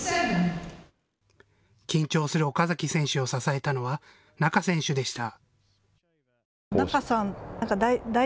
緊張する岡崎選手を支えたのは仲選手でした。